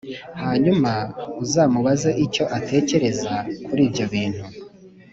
Hanyuma uzamubaze icyo atekereza kuri ibyo bintu